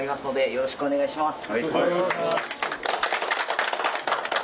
よろしくお願いします。